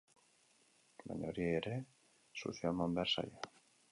Baina horiei ere soluzioa eman behar zaie.